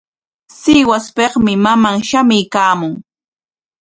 Sihuaspikmi maman shamuykaamun.